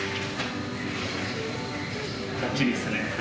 ばっちりですね。